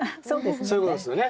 そういうことですよね。